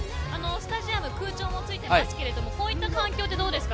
スタジアム、空調もついていますがこういった環境ってどうですか。